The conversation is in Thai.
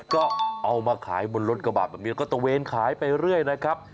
ก็เอามาขายบนรถกระบาดแบบนี้แล้วก็ตะเวนขายไปเรื่อยนะครับ